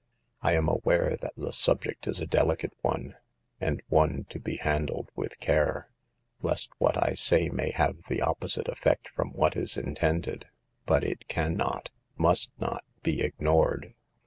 I am aware that the subject is a delicate one, and one to be handled with care, lest what I say may have the opposite effect from what is intended. But it can not, must not be ignored.